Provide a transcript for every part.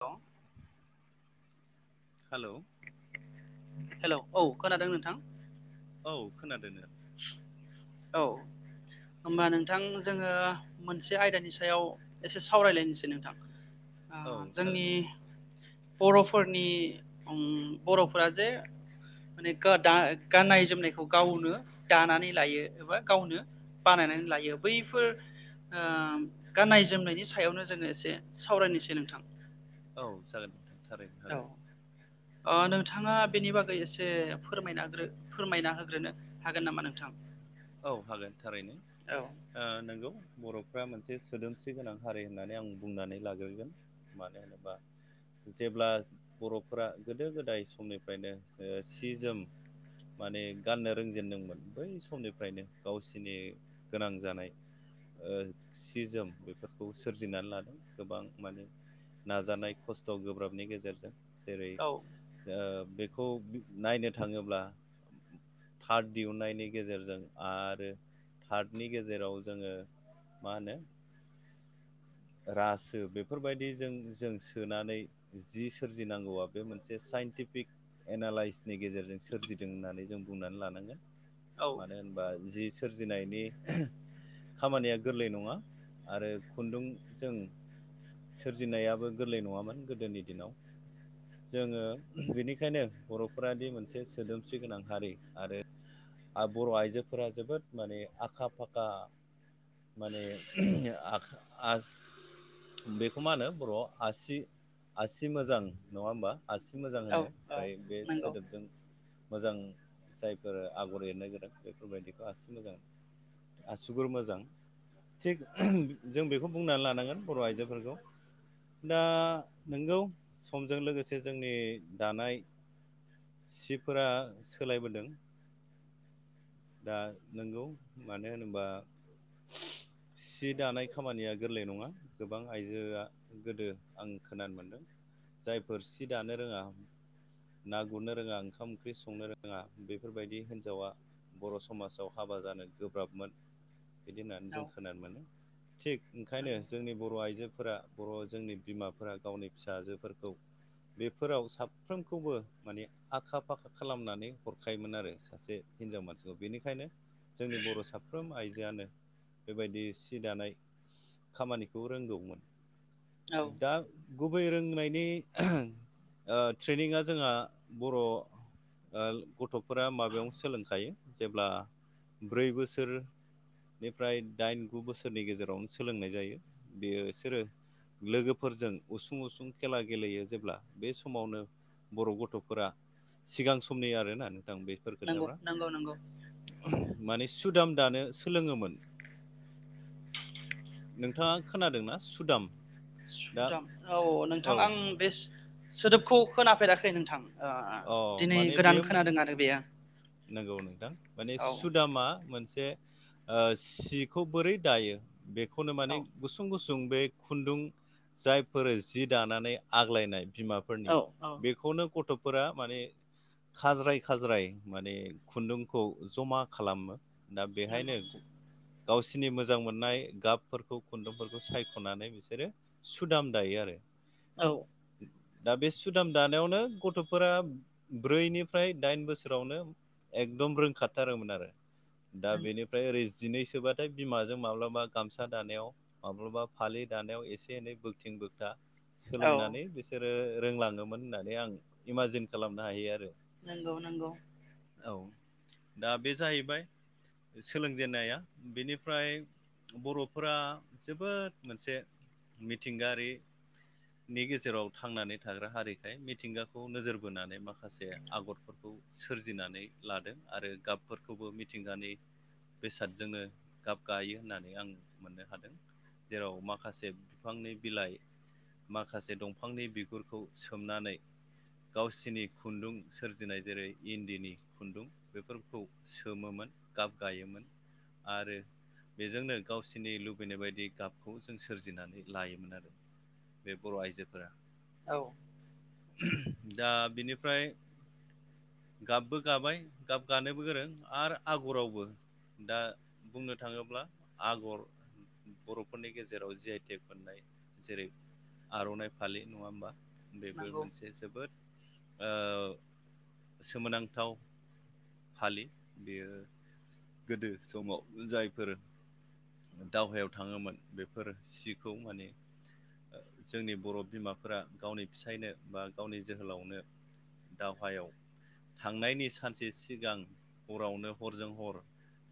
औ हेल' हेल' औ खोनादों नोंथां औ खोनादों आरो औ होमबा नोंथां जोङो मोनसे आयदानि सायाव एसे सावरायलायनोसै नोंथां औ जागोन जोंनि नोंथां बर'फोरनि बर'फोरा जे माने दा गाननाय जोमनायखौ गावनो दानानै लायो एबा गावनो बानायनानै लायो बैफोर गाननाय जोमनायनि सायावनो जोङो एसे सावरायनो सै नोंथां औ जागोन नोंथां थारैनो हागोन अ नोंथाङा बेनि बागै एसे फोरमाय फोरमायना होग्रोनो हागोन नामा नोंथां औ हागोन थारैनो नोंगौ बर'फ्रा मोनसे सोदोमस्रि गोनां हारि होननानै आं बुंनानै लाग्रोगोन मानो होनोबा जेब्ला बर'फोरा गोदो गोदाय समनिफ्रायनो सि जोम माने गाननो रोंजेेनदोंमोन बै समनि फ्रायनो गावसिनि गोनां जानाय सि जोम बेफोरखौ सोरजिनानै लादों गोबां माने नाजानाय खस्थ' गोब्राबनि गेजेरजों जेरै औ बे खौ नायनो थाङोब्ला थार्ड दिहुनन्नायनि गेजेरजों आरो थार्दनि गेजेराव जोङो मा होनो [unintelligible] रासो बेफोरबायदिजों जों सोनानै जि सोरजिनांगौआ बे मोनसे साइन टिफिक एना लाइसनि गेजेरजों सोरजिदों होननानै जों बुंनानै लानांगोन औ मानो होन जि सोरजिनायनि खामानिया गोरलै नङा आरो खुन्दुंजों सोरजिनायाबो गोरलै नङामोन गोदोनि दिनाव जोङो बेनिखायनो बर'फोराद मोनसे सोदोमस्रि गोनां हारि आरो आरो बर' आइजोफोरा जोबोद माने आखा फाखा माने आ बेखौ मा होनो बर' आसि आसि मोजां नङा होमबा आसि मोजां औ होनो औ फ्राय बे नंगौ सोदोबजों मोजां जायफोर आगर एरनो गोनां बेफोरबायदिखौ आसि मोजां आसुगुर मोजां थिग जों बेखौ बुंनानै लानांगोन बर' आइजोफोरखौ दा नोंगौ समजों लोगोसे जोंनि दानाय सिफोरा सोलायबोदों दा नंगौ मानो होनोबा सि दानाय खामानिया गोरलै नङा गोबां आइजोआ गोदो आं खोनानो मोनदों जायफोर सि दानो रोङा ना गुरनो रोङा ओंखाम ओंख्रि संनो रोङा बेफोरबायदि हिन्जावा बर' समाजाव हाबा जानो गोब्राबमोन बिदि होननानै औ जों खोनानो मोनो थिग ओंखायनो नंगौ जोंनि बर' आइजोफोरा बर' जोंनि बिमाफोरा गावनि फिसाजोफोरखौ बेफोराव साफ्रोमखौबो माने आखा फाखा खालामनानै हरखायोमोन आरो सासे हिनजाव मानसिखौ बेनिखायनो जोंनि बर' साफ्रोम आइजो जआानो बेबायदि सि दानाय खामानिखौ रोंगौमोन औ दा गुबै रोंनायनि ट्रेनिंआ जोंहा बर' गथ'फोरा माबायाव सोलोंखायो जेब्ला ब्रै बोसोर निफ्राय दाइन गु बोसोरनि गेजेरावनो सोलोंनाय जायो बेयो बिसोरो लोगोफोरजों उसुं उसुं खेला गेलेयो जेब्ला बे समावनो बर' गथ'फोरा सिगां समनि आरोना नोंथां बेफोर नंगौ खोथाफ्रा नंगौ नंगौ माने सुदाम दानो सोलोङोमोन नोंथाङा खोनादोंनाा सुदाम दा सुदाम औ औ नोंथां आं बे सोदोबखौ खोनाफेराखै नोंथां अ दिनै गोदान खोनादों आरो बेयो नांगौ नोंथां माने औ सुदामा मोनसे सिखौ बोरै दायो बेखौनो मान औ गुुं गुुं जों बे खुन्दुं जायफोरो जि दानानै आग्लायनाय औ बिमाफोरनि औ बेखौनो गथ'फोरा माने खाज्राय खाज्राय माने खुन्दुंखौ जमा खालामो दा नंगौ बेहायनो गावसिोरनि मोजां मोननाय गाबफोरखौ खुन्दुंफोरखौ सायख'नानै बिसोरो सुदाम दायो आरो औ दा बे सुदाम दानायावनो गथ'फोरा ब्रैनिफ्राय दाइन बोसोर गावनो एकदम रोंखाथारोमोन आरो दा बेनिफ्राय ओरै दिनै सोबाथाय बिमाजों माब्लाबा गामसा दानायाव माब्लाबा फालि दानायाव एसे एनै बोगथिं बोगथा औ सोलोंनानै बिसोरो रोंलाङोमोन होननानै आं इमाजिन खालामनो हायो आरो नंगौ नंगौ औ दा बे जाहैबाय सोलोंजेनन्नाया बेनिफ्राय बर'फोरा जोबोद मोनसे मिथिंगायारि नि गेजेराव थांनानै थाग्रा हारिखाय मिथिंगाखौ नोजोर बोनानै माखासे आगरफोरखौ सोरजिनानै लादों आरो गाबफोरखौबो मिथिंगानि बेसादजोंनो गाब गायो होननानै आं मोननो हादों जेराव माखासे बिफांनि बिलाइ माखासे दंफांनि बिगुरखौ सोमनानै गावसिनि खुन्दुं सोरजिनाय जेरै इन्दिनि खुन्दुं बेफोरखौ सोमोमोन गाब गायोमोन आरो बेजोंनो गावसिनि लुबैनाय बायदि गाबखौ जों सोरजिनानै लायोमोन आरो बे बर' आइजोफोरा औ दा बिनिफ्राय गाबबो गाबाय गाब गानोबो गोरों आरो आगरावबो दा बुंनो थाङोब्ला आगर बर'फोरनि गेजेराव जि आइ टेक मोननाय जेरै आर'नाइ फालि नङा होमबा बेबो नंगौ मोनसे जोबोद सोमोनांथाव फालि बेयो गोदो समाव जायफोर दावहायाव थाङोमोन बेफोर सिखौ माने जोंनि बर' बिमाफोरा गावनि फिसायनो बा गावनि जोहोलावनो दावहायाव थांनायनि सानसे सिगां हरावनो हरजों हर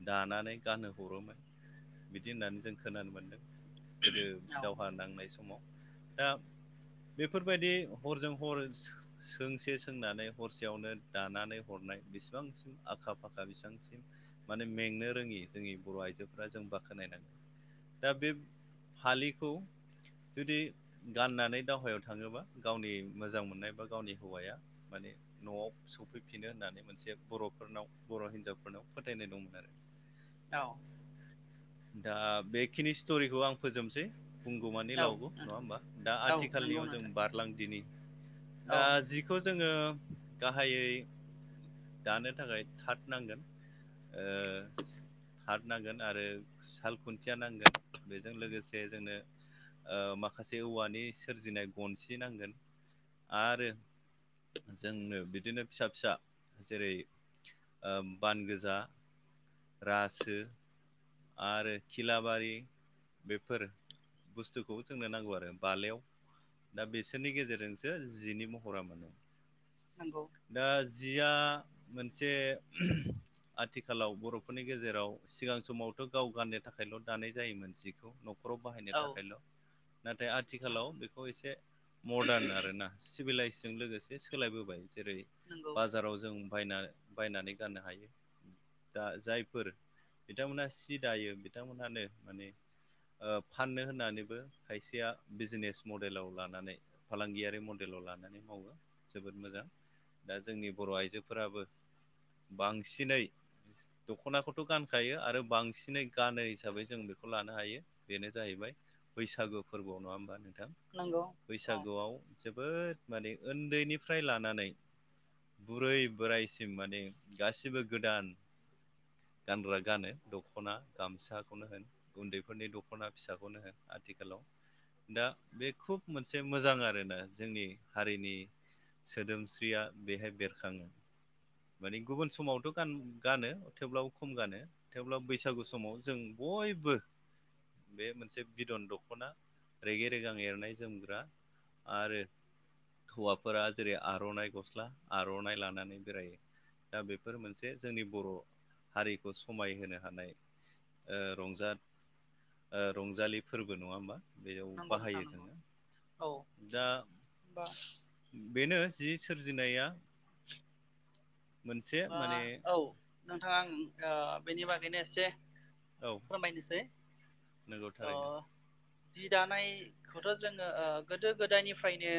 दानानै गाननो हरोमोन। बिदि होननानै जों खोनानो मोन्दों गोदो औ दावहा नांनाय समाव दा बेफोरबायदि हरजों हर सोंसे सोंनानै हरसेयावनो दानानै हरनो हानाय आखा फाखा बेसेबां माने मेंनो रोङि जोंनि बर' आइजोफोरा जों बाखनायथाव खोननांगोन दा बे फालिखौ जुदि गाननानै दावहायाव थाङोबा गावनि मोजां मोननाय बा गावनि हौवाया माने न'आव सफैफिनो होननानै मोनसे बर'फोरनाव बर' हिनजावफोरनाव फोथायनाय दंमोन आरो औ दा बेखिनि स्ट'रिखौ आं फोजोबनोसै बुंगौ मानि औ लावगौ नोंथां नङा होमबा दा औ नंगौ आथिखालनियाव जों नोंथां बारलांदिनि औ दा जिखौ जोङो गाहायै दानो थाखाय थाथ नांगोन थाद नांगोन आरो साल खुन्थिया नांगोन बेजों लोगोसे जोंनो माखासे औवानि सोरजिनाय गनसि नांगोन आरो जोंनो बिदिनो फिसा फिसा जेरै बान गोजा रासो आरो खिलाबारि बेफोर बुस्थुखौबो जोंनो नांगौ आरो बालायाव दा बिसोरनि गेजेरजोंसो जिनि महरा मोनो नंगौ दा जिया मोनसे आथिखालाव बर'फोरनि गेजेराव सिगां समावथ' गाव गाननो थाखायल' दानाय जायोमोन जिखौ न'खराव बाहायनो औ थाखायल' नाथाय आथिखालाव बेखौ एसे मदारन आरोना सिभिलाइस जों लोगोसे सोलायबोबाय जेरै नंगौ बाजाराव जों बायना बायनानै गाननो हायो दा जायफोर बिथांमोना सि सि दायो बिथांमोनहानो माने ओ फाननो होननानैबो खायसेया बिजनेस मडेलाव लानानै फालांगियारि मडेल लानानै मावो जोबोद मोजां दा जोंनि बर' आइजोफोराबो बांसिनै दख'नाखौथ' गानखायो आरो बांसि नै गानो हिसाबै जों बेखौ लानो हायो बेनो जाहैबाय बैसागु फोरबोआव नङा ओमबा नों थां नंगौ औ बैसागुआव जोबोद माने उन्दैनिफ्राय लानानै बुरै बोरायसिम माने गासिबो गोदान गानग्रा गानो दख' ना गामसाखौनो होन उन्दैफोरनि दख'ना फिसाखौनो होन आथिखालाव दा बे खुब मोनसे मोजां आरोना जोंनि हारिनि सोदोमस्रिया बेहाय बेरखाङो। माने गुबुन समावथ' गान गानो थेवब्लाबो खम गानो थेवब्ला बैसागु समाव जों ब यबो बे मोनसे बिदन दख'ना रेगे रेगां एरनाय जोमग्रा आरो हौवाफोरा जेरै आरनाइ गस्ला आरनाइ लानानै बेरायो दा बेफोर मोनसे जोंनि बर' हारिखौ समायहोनो हानाय। ओ रंजा रंजालि फोरबो नङा ओमबा? बेयाव नंगौ नोंथां बाहायो नंगौ जोङो औ दा होमबा बेनो जि सोरजिनाया [inaudible] मोनसे बा माने औ नोंथाङा आं बेनि बागैनो एसे औ फोरायनोसै नंगौ अ थारैनो जि दानायखौथ' जोङो ओ गोदो गोदायनिफ्रायनो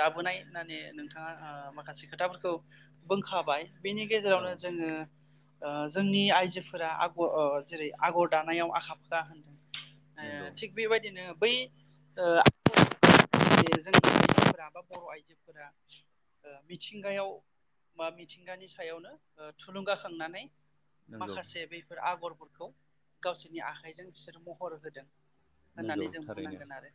दाबोनाय होननानै नोंथाङा ओ माखासे खोथाफोरखौ बुंखाबाय बिनि औ गेजेरावनो जोङो ओ जोंनि आइजोफोरा आगर जेरै आगर दानायाव आखा फाखा होनदों। ओ नंगौ थिग बेबायदिनो बै ओ [inaudible] जोंनिफोरा [inaudible] बा बर' आइजोफोरा मिथिंगायाव बा मि थिंगानि सायावनो थुलुंगाखांनानै नंगौ माखासे बफोर आगर फोरखौ गावसोरनि आखाइजों बिसोर महर होदों। नंगौ होननानै जों थारैनो बुंनांगोन आरो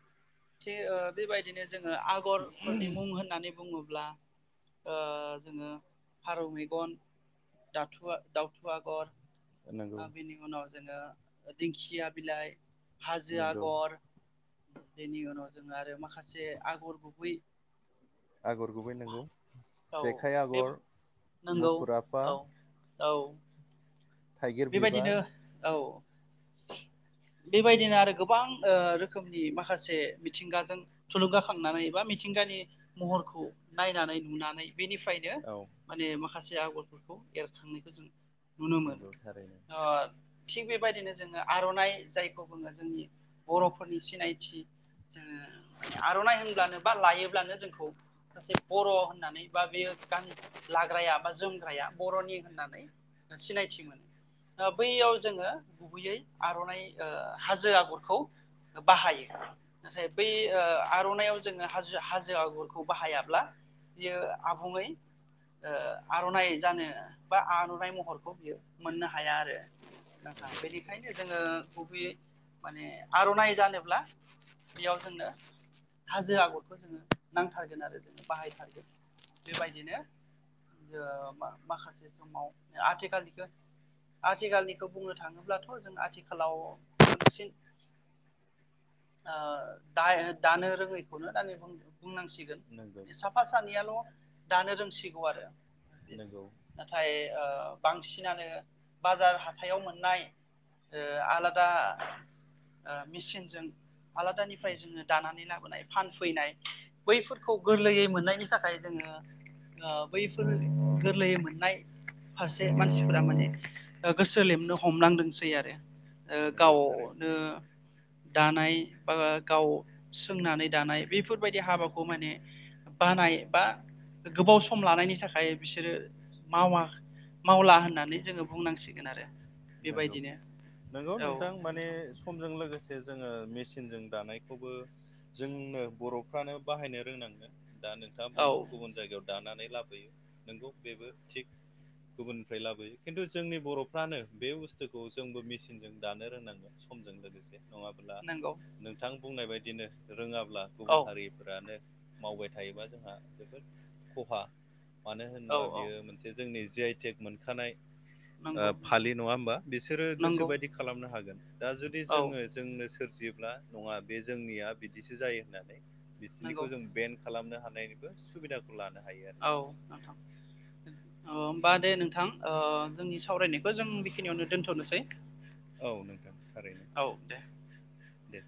थिग बेबायदिनो जोङो आगरफोरनि मुं होननानै बुङोब्ला ओ जोङो फारौ मेगन, दाथु दावउथु आगर नंगौ आरो बेनि उनाव जोङो दिंखिया बिलाइ, हाजो नंगौ आगर बेनि उनाव जोंङो आरो माखासे आगर गुबै आगर गुबै नंगौ औ जेखाइ बे आगर, नंगौ मुफुर आफा औ औ थाइगिर बिबार बेबायदिनो औ बेबायदिनो आरो गोबां ओ रोखोमनि माखासे मिथिंगाजों थुलुंगाखांनानै बा मिथिंगानि महरखौ नायनानै नुनानै बेनिफ्रायनो औ माने माखासे आगरफोरखौ एरखांनायखौ जों नुनो मोनो नंगौ थारैनो अ थिग बेबायदिनो जोङो आरनाइ जायखौ बुङो जोंनि बर'फोरनि सिनायथि जोङो मान आरनाइ होनब्लानो बा लायोब्लानो जोंखौ सासे बर' होननानै बा बेयो गान लाग्राया बा जोमग्राया बर'नि होननानै सिनायथि मोनो ओ बैयाव जोङो गुबैयै आरनाइ हाजो आगरखौ बाहायो नाथाय बै आर'नाइाव जोङोाजो हाजो आगरखौ बाहायाब्ला बियो आबुङै आर'नाइ जानो बा आर'नाइ महरखौ बियो मोननो हाया आरो नोंथाङा नंगौ नंगौ बेनिखायनो जोङो गुबैय माने आर'नाइ जानोब्ला बियास दा हाजो आगरखौ जोङो नांथारगोन आरो जोङो बाहायथारगोन बेबायदिनो माखासे समाव आथिखाललिख आथिखालनिखौ बुंनो थाङोब्लाथ' जों आथिखालाव बांसिन द दानो रोङैखौनो दानि बुंनांसिगोन नंगौ साफा सानैयाल' दानो रोंसिगौ आरो नंगौ नाथाय बांसिन बसिनानो बाजार हाथाइाव मोननाय आलादा मेचिनजों आलादानिफ्राय जोङो दानानै लाबोनाय फानफैनाय बैफोरखौ गोरलैयै मोननायनि थाखाय जोङो बैफोर गोरलैयै मोननाय फारसे मानसिफोरा माने गोसो लेमनो हमलांदोंसै आरो। नंगौ थारैनो गावनो दानाय बा गाव सोंनानै दानाय बेफोरबायदि हाबाखौ माने बानाय बा गोबाव सम लानायनि थाखाय बिसोरो मावा मावला होननानै जोङो बुंनांसिगोन आरो नंगौ बेबायदिनो नंगौ नोंथां माने समजों लोगोसे जोङो मचनजोंों दानायखौबो जोंनो बर'फ्रानो बाहायनो रोंनांगो दा नोंथाङा औ बुंदों गुबुन जायगायाव दानानै लाबोयो नंगौ बेबो थिग गुबुननिफ्राय लाबोयो खिन्थु जोंनि बर'फ्रानो बे बुस्थुखौ जोंबो मेचिनजों दानो रोंनांगोन समजों लोगोसे नङाब्ला नंगौ नोंथां बुंनाय बायदिनो रोङाब्ला औ गुबुन हारिफोरानो मावबाय थायोबा जोंहा जोबोद खहा मानो औ होनोबा औ बियो मोनसे जोंनि ज आइ एटेक मोनखानाय नंगौ नंगौ खाालि नङा होमबा बिसोरो नंगौ गोसोोबायदि खालामनो हागोन दा जुदि औ जोङो जोंनो सोरजियो। नङा बे जोंनिया बिदिसो जायो होननानै नंगौ बिसिनिखौ जों बेन खालामनो ह सुबिदाखौ लानो हाङ औ नोंथां अ होमबा दे नोंथां जोंनि सावरायनायखौ जों बेखिनियावनो दोनथ'नोसै औ नोंथां थारैनो औ दे दे